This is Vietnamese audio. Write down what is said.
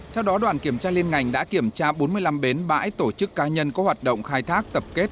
theo đó đoàn kiểm tra liên ngành đã kiểm tra bốn mươi năm bến bãi tổ chức ca nhân có hoạt động khai thác tập kết